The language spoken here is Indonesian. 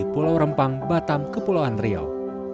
pulau rempang batam kepulauan riau